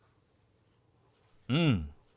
うん。